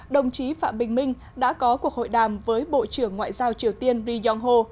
đồng chí phạm bình minh đã có cuộc hội đàm với bộ trưởng ngoại giao triều tiên ri yong ho